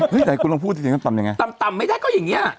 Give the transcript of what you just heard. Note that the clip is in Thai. เฮ้ยแต่คุณลงพูดถึงเสียงทำตำยังไงทำตำไม่ได้ก็อย่างเงี้ย